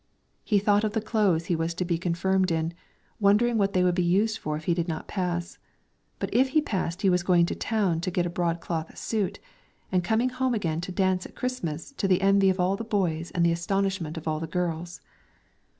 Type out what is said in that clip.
He thought of the clothes he was to be confirmed in, wondering what they would be used for if he did not pass. But if he passed he was going to town to get a broadcloth suit, and coming home again to dance at Christmas to the envy of all the boys and the astonishment of all the girls.